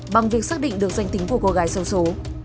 bằng việc xác định được danh tính của cô gái sâu số